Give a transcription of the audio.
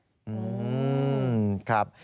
อืมครับ